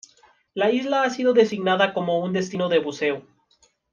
La isla ha sido designada como un destino de buceo.